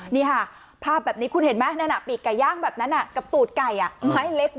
นี่ค่ะภาพแบบนี้คุณเห็นไหมปีกไก่ย่างแบบนั้นกับตูดไก่